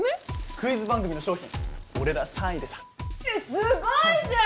クイズ番組の賞品俺ら３位でさえっすごいじゃん！